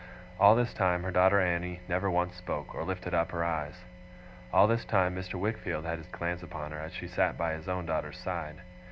All this time, her daughter Annie never once spoke, or lifted up her eyes. All this time, Mr. Wickfield had his glance upon her as she sat by his own daughter's side.